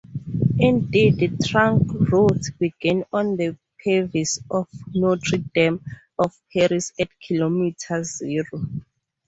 Indeed, trunk roads begin on the parvis of Notre-Dame of Paris at Kilometre Zero.